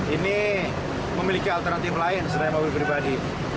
ini memiliki alternatif lain selain mobil pribadi